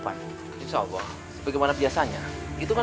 jangan nyerah tufa